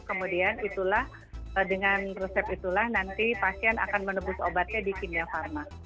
kemudian itulah dengan resep itulah nanti pasien akan menebus obatnya di kimia pharma